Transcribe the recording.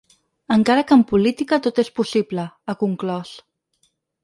Encara que en política tot és possible, ha conclòs.